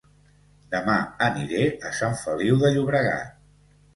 Dema aniré a Sant Feliu de Llobregat